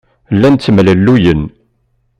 Llan ttemlelluyen.